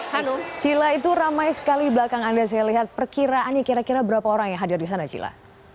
hanum cila itu ramai sekali belakang anda saya lihat perkiraannya kira kira berapa orang yang hadir di sana cila